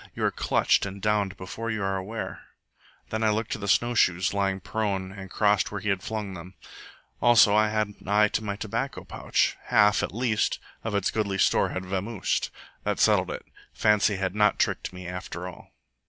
You are clutched and downed before you are aware. Then I looked to the snowshoes, lying prone and crossed where he had flung them. Also I had an eye to my tobacco pouch. Half, at least, of its goodly store had vamosed. That settled it. Fancy had not tricked me after all.